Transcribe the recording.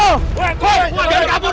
woy jangan kabur